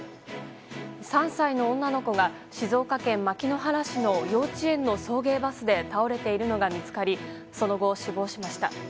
３歳の女の子が静岡県牧之原市の幼稚園の送迎バスで倒れているのが見つかりその後、死亡しました。